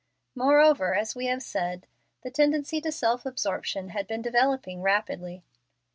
Moreover, as we have said, the tendency to self absorption had been developing rapidly.